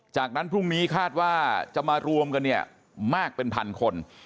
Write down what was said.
จากนั้นพรุ่งนี้คาดว่าจะมารวมกันเนี่ยมากเป็นพันคน